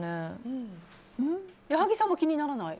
矢作さんも気にならない？